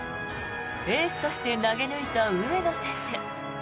エースとして投げ抜いた上野選手。